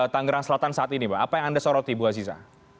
tanggerang selatan saat ini pak apa yang anda soroti bu aziza